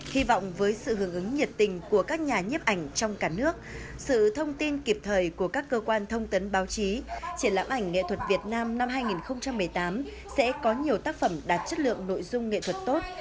hy vọng với sự hướng ứng nhiệt tình của các nhà nhếp ảnh trong cả nước sự thông tin kịp thời của các cơ quan thông tấn báo chí triển lãm ảnh nghệ thuật việt nam năm hai nghìn một mươi tám sẽ có nhiều tác phẩm đạt chất lượng nội dung nghệ thuật tốt